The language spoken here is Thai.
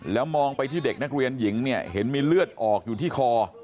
แล้วมองไปที่เด็กนักเรียนหญิงเนี่ยเห็นมีเลือดออกอยู่ที่คอ